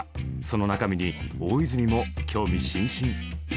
その中身に大泉も興味津々！